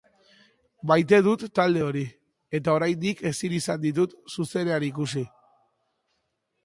Maite dut talde hori, eta oraindik ezin izan ditut zuzenean ikusi.